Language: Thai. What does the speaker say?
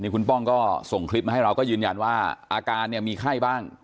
คุณป้องก็ส่งคลิปมาให้เราก็ยืนยันว่าอาการเนี่ยมีไข้บ้าง